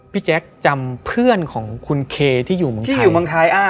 พี่แจ๊คจำเพื่อนของคุณเคที่อยู่เมืองไทย